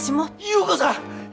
優子さん！